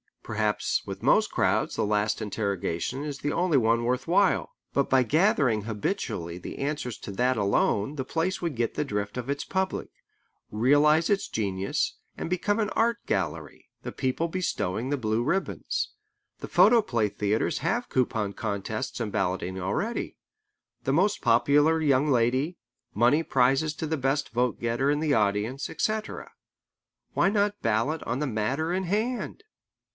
Perhaps with most crowds the last interrogation is the only one worth while. But by gathering habitually the answers to that alone the place would get the drift of its public, realize its genius, and become an art gallery, the people bestowing the blue ribbons. The photoplay theatres have coupon contests and balloting already: the most popular young lady, money prizes to the best vote getter in the audience, etc. Why not ballot on the matter in hand?